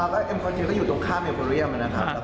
คอคเทลก็อยู่ตรงข้างเมย์โฟเรียมนะครับ